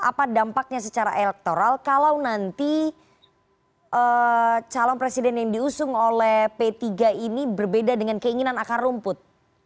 apa dampaknya secara elektoral kalau nanti calon presiden yang diusung oleh p tiga ini berbeda dengan keinginan akar rumput